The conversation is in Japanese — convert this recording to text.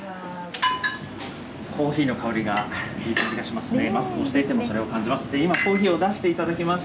コーヒーの香りが、いい香りがしますね。